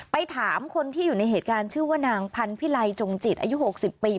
ไปถามคนที่อยู่ในเหตุการณ์ชื่อว่านางพันธิไลจงจิตอายุ๖๐ปี